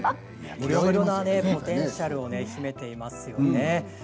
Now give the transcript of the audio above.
いろいろなポテンシャルを秘めていますね。